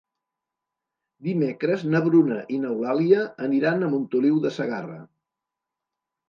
Dimecres na Bruna i n'Eulàlia aniran a Montoliu de Segarra.